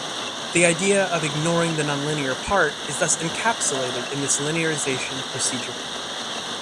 The idea of 'ignoring the nonlinear part' is thus encapsulated in this linearization procedure.